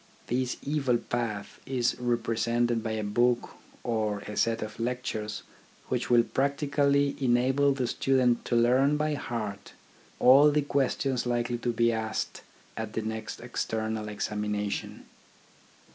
This evil path is represented by a book or a set of lectures which will practically enable the stu dent to learn by heart all the questions likely to be asked at the next external examination.